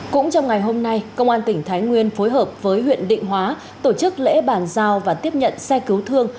cũng trong ngày hôm nay công an tỉnh thái nguyên phối hợp với huyện định hóa tổ chức lễ bàn giao và tiếp nhận xe cứu thương